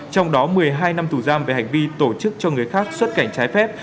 trong đó một mươi hai năm tù giam về hành vi tổ chức cho người khác xuất cảnh trái phép